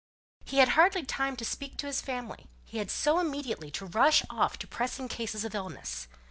He had hardly time to speak to his family, he had so immediately to rush off to pressing cases of illness.